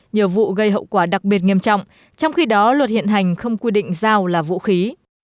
nhiều vụ gây hậu quả đặc biệt nghiêm trọng trong khi đó luật hiện hành không quy định dao là vũ khí